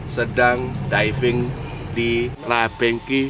sedang diving di labengki